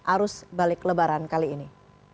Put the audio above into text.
arus balik lebaran kali ini